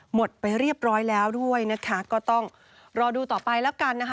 หมดไปเรียบร้อยแล้วด้วยนะคะก็ต้องรอดูต่อไปแล้วกันนะคะ